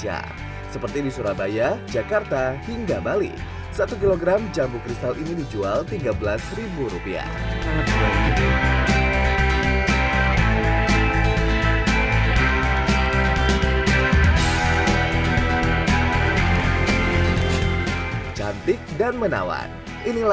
ya sekitar kalau satu tahun ini